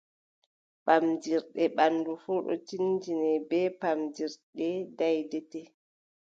Paddirɗe ɓanndu fuu ɗon tinndine bee : Paddirɗe daydetee.